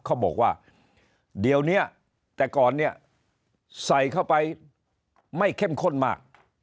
เขาบอกว่าเดี๋ยวนี้แต่ก่อนเนี่ยใส่เข้าไปไม่เข้มข้นมาก